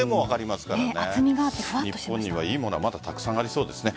厚みがあって日本には良いものがまだたくさんありそうですね。